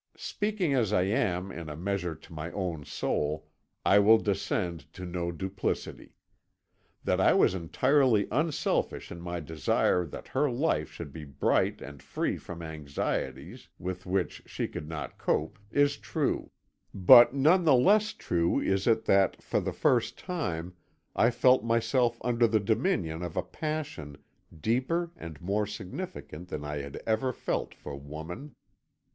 "Speaking as I am in a measure to my own soul, I will descend to no duplicity. That I was entirely unselfish in my desire that her life should be bright and free from anxieties with which she could not cope is true; but none the less true is it that, for the first time, I felt myself under the dominion of a passion deeper and more significant than I had ever felt for woman.